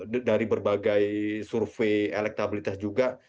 dari berbagai survei elektabilitas juga